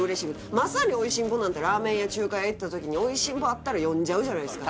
まさに「美味しんぼ」なんてラーメン屋中華屋行った時に「美味しんぼ」あったら読んじゃうじゃないですか